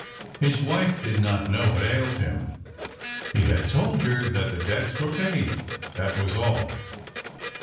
His wife did not know what ailed him. He had told her that the debts were paid that was all.